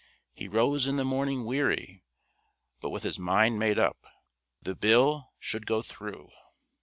He rose in the morning weary, but with his mind made up. The Bill should go through!